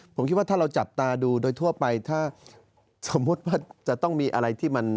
ผมคิดว่าถ้าเราจับตาดูโดยทั่วไปถ้าสมมุติว่าจะต้องมีอะไรที่มัน